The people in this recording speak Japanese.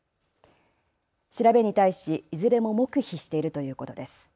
調べに対しいずれも黙秘しているということです。